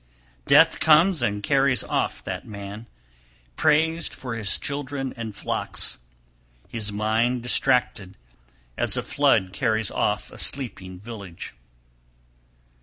287. Death comes and carries off that man, praised for his children and flocks, his mind distracted, as a flood carries off a sleeping village.